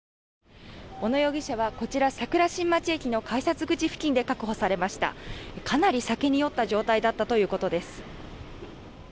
小野容疑者はこちら桜新町駅の改札口付近で確保されましたかなり酒に酔った状態だったということです。